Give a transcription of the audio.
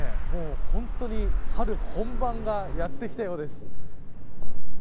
本当に春本番がやってきたようです。